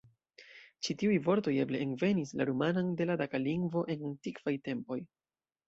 Ĉi tiuj vortoj eble envenis la rumanan de la daka lingvo en antikvaj tempoj.